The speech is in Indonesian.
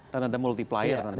dan ada multiplier nanti